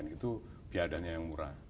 itu biadanya yang murah